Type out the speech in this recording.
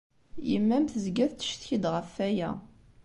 Yemma-s tezga tettcetki-d ɣef waya.